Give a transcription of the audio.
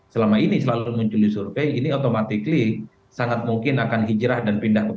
selama ini selalu muncul di survei ini otomatik sangat mungkin akan hijrah dan pindah ke p tiga